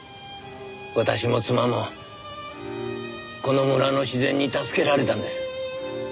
私も妻もこの村の自然に助けられたんです。